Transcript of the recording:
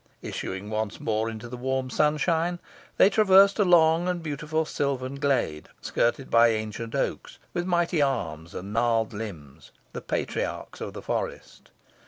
Issuing once more into the warm sunshine, they traversed a long and beautiful silvan glade, skirted by ancient oaks, with mighty arms and gnarled limbs the patriarchs of the forest.